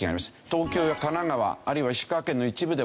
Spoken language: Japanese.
東京や神奈川あるいは石川県の一部では７月。